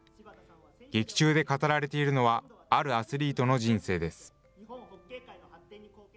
劇中で語られているのは、あるアスリートの人生です。